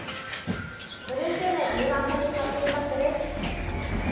５０周年アニバーサリーハッピーバッグです。